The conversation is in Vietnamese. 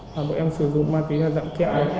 và bọn em sử dụng ma túy là dặm kẹo ketamine